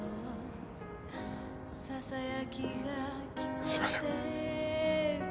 すいません。